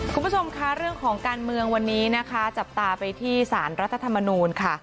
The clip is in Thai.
คุณผู้ชมคะเรื่องของการเมืองวันนี้นะคะจับตาไปที่สารรัฐธรรมนูลค่ะ